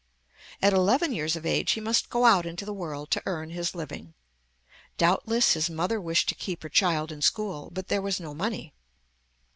At eleven years of age he must go out into the world to earn his living. Doubtless his mother wished to keep her child in school; but there was no money.